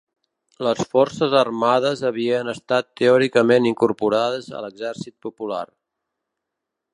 Les forces armades havien estat teòricament incorporades a l'Exèrcit Popular